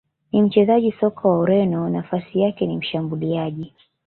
ni mchezaji soka wa Ureno nafasi yake ni Mshambuliaji